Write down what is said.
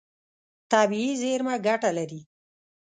طبیعي زیرمه ګټه لري.